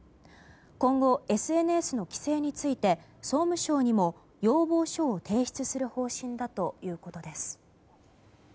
今後ＳＮＳの規制について総務省にも要望書を提出する方針だということです。